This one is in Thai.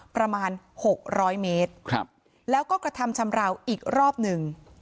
ประมาณ๖๐๐เมตรแล้วก็กระทำชำราวอีกรอบหนึ่ง